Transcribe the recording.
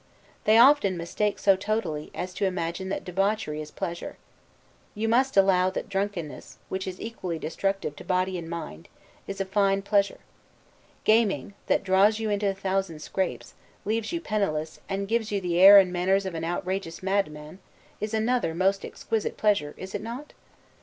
They often mistake so totally, as to imagine that debauchery is pleasure. You must allow that drunkenness, which is equally destructive to body and mind, is a fine pleasure. Gaming, that draws you into a thousand scrapes, leaves you penniless, and gives you the air and manners of an outrageous madman, is another most exquisite pleasure; is it not?